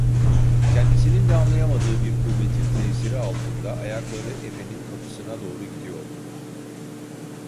Kendisinin de anlayamadığı bir kuvvetin tesiri altında ayakları efenin kapısına doğru gidiyordu.